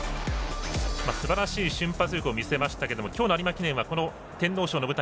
すばらしい瞬発力を見せましたけども今日の有馬記念は天皇賞の舞台